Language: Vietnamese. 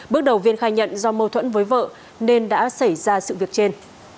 bước đầu viên khai nhận do mâu thuẫn với vợ nên đã xảy ra sự việc trên